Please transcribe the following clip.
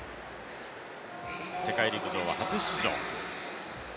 世界陸上は初出場。